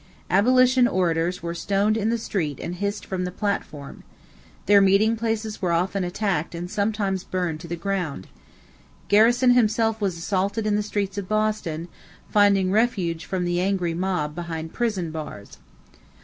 Abolition orators were stoned in the street and hissed from the platform. Their meeting places were often attacked and sometimes burned to the ground. Garrison himself was assaulted in the streets of Boston, finding refuge from the angry mob behind prison bars.